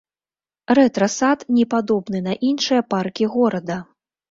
Рэтра-сад не падобны на іншыя паркі горада.